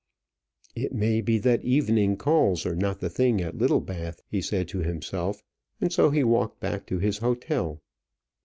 "It may be that evening calls are not the thing at Littlebath," he said to himself; and so he walked back to his hotel.